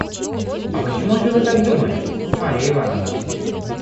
– А почему же вы так думаете, Марья Ивановна?